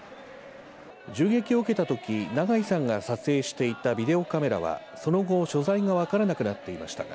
銃撃を受けたとき、長井さんが撮影していたビデオカメラはその後、所在が分からなくなっていましたが